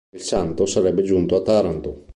Il santo sarebbe giunto a Taranto.